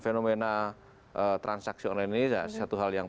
fenomena transaksi online ini satu hal yang